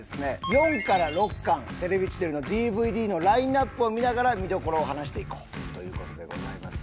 ４から６巻『テレビ千鳥』のＤＶＤのラインアップを見ながら見どころを話していこうという事でございます。